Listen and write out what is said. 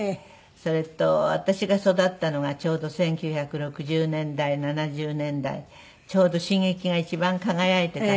それと私が育ったのがちょうど１９６０年代７０年代ちょうど新劇が一番輝いていた頃で。